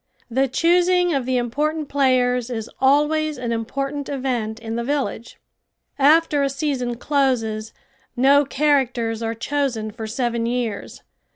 The choosing of the important players is always an important event in the village. After a season closes no characters are chosen for seven years.